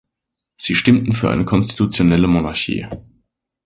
Sie stimmten für eine konstitutionelle Monarchie.